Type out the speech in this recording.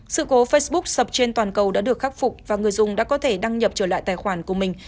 sự cố facebook sập trên toàn cầu đã được khắc phục và người dùng đã có thể đăng nhập trở lại tài khoản của mình